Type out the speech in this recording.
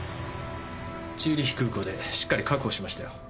チューリヒ空港でしっかり確保しましたよ。